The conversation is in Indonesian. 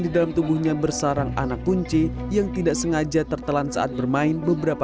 di dalam tubuhnya bersarang anak kunci yang tidak sengaja tertelan saat bermain beberapa